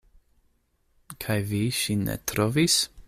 Kaj vi ŝin ne trovis?